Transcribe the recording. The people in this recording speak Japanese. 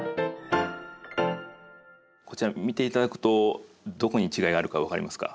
こちら見ていただくとどこに違いがあるか分かりますか？